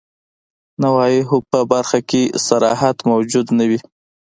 نواهیو په برخه کي صراحت موجود نه وي.